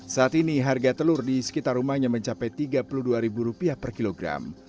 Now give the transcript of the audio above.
saat ini harga telur di sekitar rumahnya mencapai rp tiga puluh dua per kilogram